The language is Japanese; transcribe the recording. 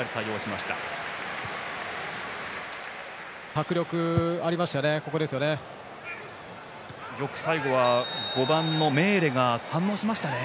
迫力ありましたよね。